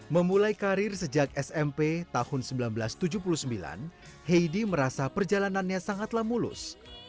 memulai karir sejak smp tahun seribu sembilan ratus tujuh puluh sembilan heidi merasa perjalanannya sangatlah mulus